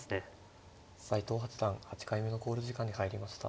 斎藤八段８回目の考慮時間に入りました。